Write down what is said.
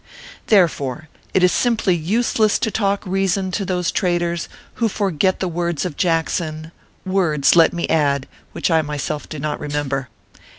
Therefore, it is simply useless to talk reason to those traitors, who forget the words of Jackson words, let me add, which I myself do not remember.